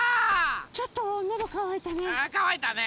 ちょっとのどかわいたね。